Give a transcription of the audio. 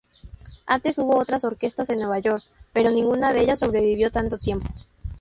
Antes hubo otras orquestas en Nueva York, pero ninguna de ellas sobrevivió tanto tiempo.